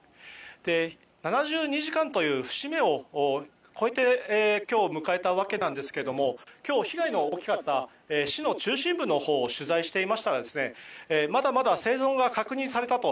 ７２時間という節目を超えて今日を迎えたわけなんですが今日、被害が大きかった市の中心部のほうを取材していましたらまだまだ生存が確認されたと。